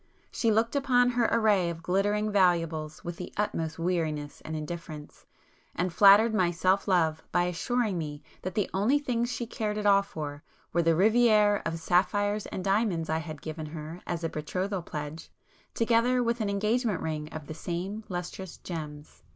She looked upon her array of glittering valuables with the utmost weariness and indifference, and flattered my self love by assuring me that the only things she cared at all for were the riviére of sapphires and diamonds I had given her as a betrothal pledge, together with an engagement ring of the same lustrous gems.